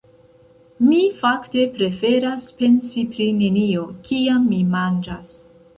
Mi fakte preferas pensi pri nenio, kiam mi manĝas.